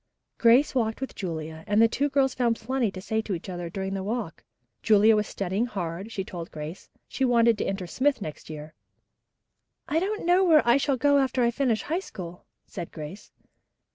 Grace walked with Julia, and the two girls found plenty to say to each other during the walk. Julia was studying hard, she told Grace. She wanted to enter Smith next year. "I don't know where I shall go after I finish High School," said Grace.